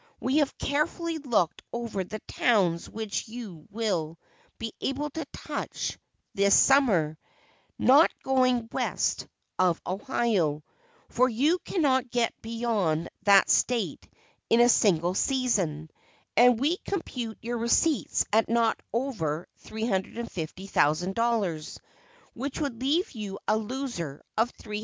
We have carefully looked over the towns which you will be able to touch this summer, not going west of Ohio, for you cannot get beyond that State in a single season, and we compute your receipts at not over $350,000, which would leave you a loser of $370,000."